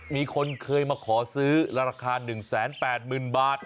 มีคนเคยมาขอซื้อราคา๑๘๐๐๐บาท